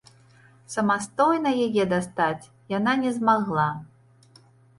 Самастойна яе дастаць яна не змагла.